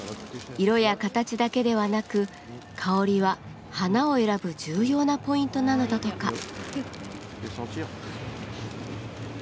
色や形だけではなく香りは花を選ぶ重要なポイントなのだとか。